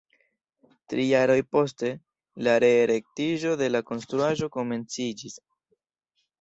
Tri jaroj poste, la re-erektiĝo de la konstruaĵo komenciĝis.